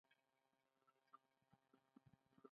د بسونو کاروان مازیګر د لمانځه لپاره ودرېد.